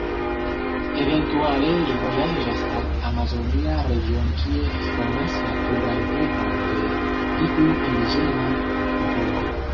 Eventuale li vojaĝas al amazonia regiono kie ekkonas naturan vivon de iu indiĝena popolo.